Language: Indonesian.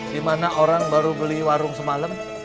dimana orang baru beli warung semalam